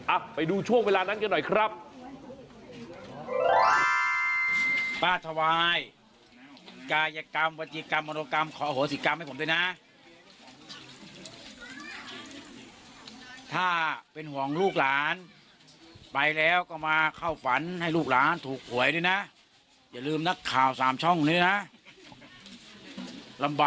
ไปดูช่วงเวลานั้นกันหน่อยครับ